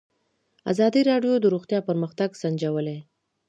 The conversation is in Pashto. ازادي راډیو د روغتیا پرمختګ سنجولی.